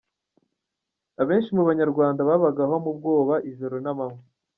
Abenshi mu banyarwanda babagaho mu bwoba ijoro n’amanywa.